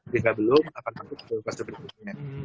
jika belum akan menggunakan proses berikutnya